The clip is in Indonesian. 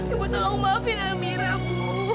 ibu tolong maafin amira bu